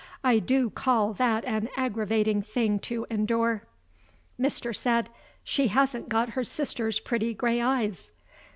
I do call that an aggravating thing to endure. Mr. said: "She hasn't got her sister's pretty gray eyes."